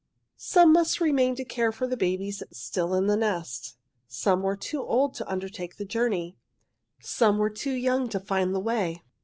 Some must remain to care for the babes still in the nest. Some were too old to undertake the journey. Some were too young to find the way.